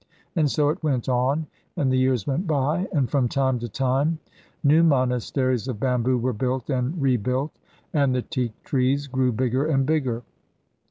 And so it went on, and the years went by, and from time to time new monasteries of bamboo were built and rebuilt, and the teak trees grew bigger and bigger.